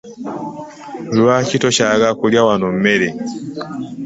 Lwaki tokyayagala kulya wano mmere?